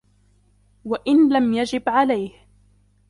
وَإِنْ لَمْ يَجِبْ عَلَيْهِ